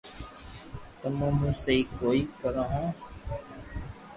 تمو مون سھي ڪوئي ڪرو ھون